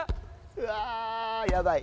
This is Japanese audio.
うわあ、やばい。